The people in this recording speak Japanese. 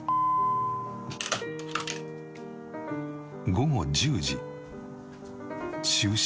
午後１０時就寝。